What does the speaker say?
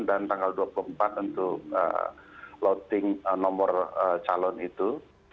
dan tanggal dua puluh empat untuk loading nomor calon itu